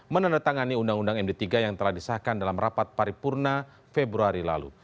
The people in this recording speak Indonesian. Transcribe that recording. menandatangani undang undang md tiga yang telah disahkan dalam rapat paripurna februari lalu